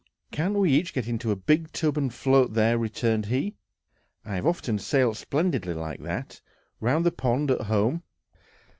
"Can't we each get into a big tub, and float there?" returned he. "I have often sailed splendidly like that, round the pond at home."